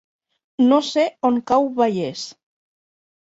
No sé on cau Vallés.